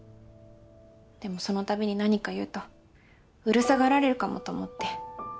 でもそのたびに何か言うとうるさがられるかもと思って。